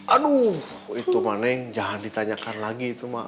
aduh itu mah neng jangan ditanyakan lagi itu mah